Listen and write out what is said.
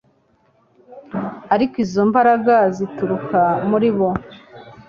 Ariko izo mbaraga zituruka muri bo